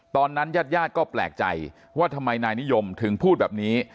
ญาติญาติก็แปลกใจว่าทำไมนายนิยมถึงพูดแบบนี้